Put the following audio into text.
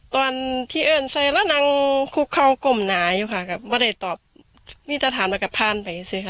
ตอนที่เอิ้นใส่แล้วนางคุกเขากลมหนาอยู่ค่ะก็ไม่ได้ตอบมีตรฐานมากับพานไปสิค่ะ